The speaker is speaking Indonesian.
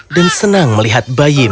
dan senang melihat bayi matahari